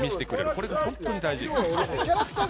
これが本当に大事。